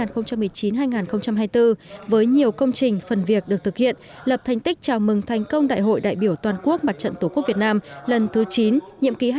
với nhiều công trình phần việc được thực hiện lập thành tích chào mừng thành công đại hội đại biểu toàn quốc mặt trận tổ quốc việt nam lần thứ chín nhiệm ký hai nghìn một mươi chín hai nghìn hai mươi bốn